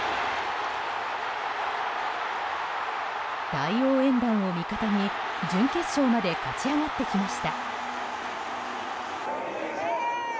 大応援団を味方に、準決勝まで勝ち上がってきました。